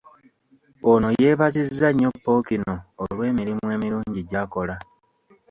Ono yeebazizza nnyo Ppookino olw'emirimu emirungi gy'akola.